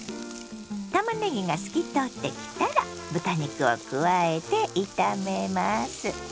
たまねぎが透き通ってきたら豚肉を加えて炒めます。